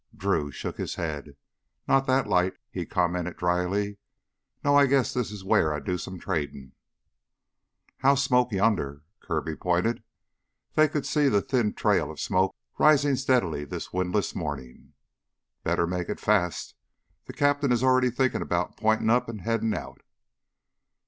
Drew shook his head. "Not that light," he commented dryly. "No, I guess this is where I do some tradin' " "House smoke yonder ..." Kirby pointed. They could see the thin trail of smoke rising steadily this windless morning. "Best make it fast the cap'n is already thinkin' about pointin' up an' headin' out."